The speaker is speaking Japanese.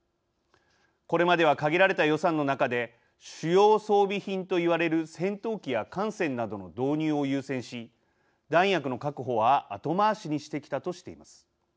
これまでは限られた予算の中で主要装備品といわれる戦闘機や艦船などの導入を優先し弾薬の確保は後回しにしてきたとしています。